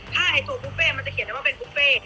ถ้าตัวบุฟเฟ่มันจะเขียนมาเป็นบุฟเฟ่